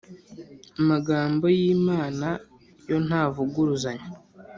Amagambo y Imana yo ntavuguruzanya